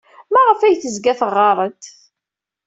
Maɣef ay tezga teɣɣar-d?